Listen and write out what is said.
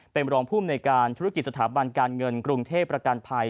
เป็นรองภูมิในการธุรกิจสถาบันการเงินกรุงเทพประกันภัย